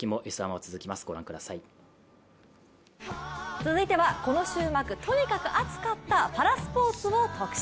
続いてはこの週末とにかく熱かったパラスポーツを特集。